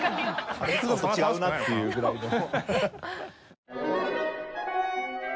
いつもと違うなっていうぐらいの。